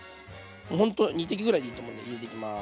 ほんと２滴ぐらいでいいと思うんで入れていきます。